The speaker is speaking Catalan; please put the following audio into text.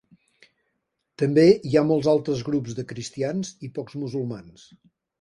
També hi ha molts altres grups de cristians i pocs musulmans.